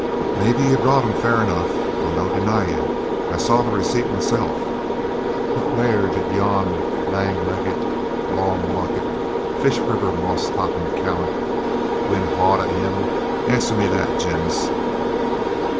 'Maybe ye bocht him fair eneugh. I'll no deny you. I saw the receipt mysel'. But where did yon lang leggit, long lockit, Fish River moss trooping callant win haud o' him? Answer me that, Jeems.'